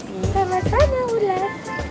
selamat sana ular